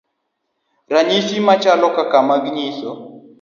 Ranyisi machalo kaka mag nyiso